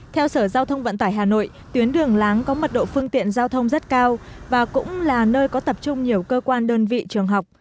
theo sở giao thông vận tải hà nội tuyến đường láng có mật độ phương tiện giao thông rất cao và cũng là nơi có tập trung nhiều cơ quan đơn vị trường học